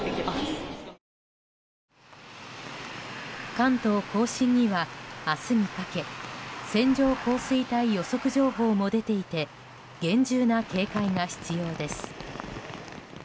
関東・甲信には明日にかけ線状降水帯予測情報も出ていて厳重な警戒が必要です。